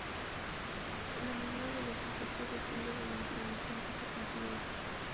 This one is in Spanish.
La medida de los efectos depende de la intervención que se considere.